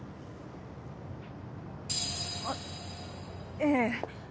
あっええ。